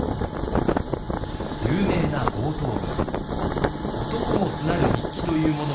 有名な冒頭文。